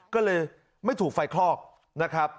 ก็เลยไม่ถูกไฟคลอกนะครับ